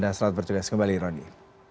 dan selamat berjogas kembali roni